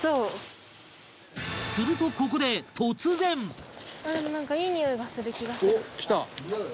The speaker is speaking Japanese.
するとここで突然！におう？